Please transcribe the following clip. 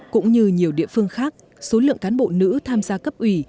cũng như nhiều địa phương khác số lượng cán bộ nữ tham gia cấp ủy